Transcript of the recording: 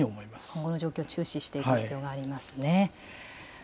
今後の状況を注視していく必要がありますね。